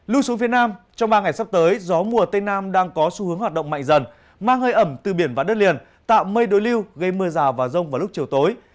lưu xuống phía nam trong ba ngày sắp tới gió mùa tây nam đang có xu hướng hoạt động mạnh dần mang hơi ẩm từ biển và đất liền tạo mây đối lưu gây mưa rào và rông vào lúc chiều tối